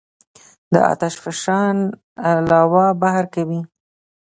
د آتش فشان لاوا بهر کوي.